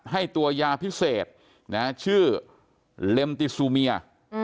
ให้ตัวยาพิเศษชื่อเล็มติซูเมีย